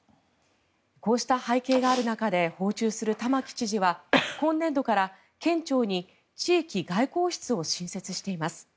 こうした背景がある中で訪中する玉城知事は今年度から県庁に地域外交室を新設しています。